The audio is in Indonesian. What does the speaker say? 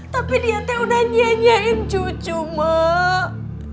tapi dia sudah nyenyekin cucu emak